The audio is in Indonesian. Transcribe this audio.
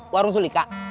warung suli kak